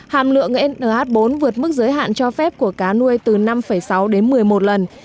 hàm lượng nh bốn vượt mức giới hạn cho phép của cá nuôi từ năm sáu đến một mươi một lần